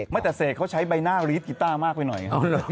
ไม่แต่เสกเขาใช้ใบหน้ารีดกีต้ามากไปหน่อย